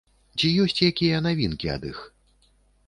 Ці ёсць якія навінкі ад іх?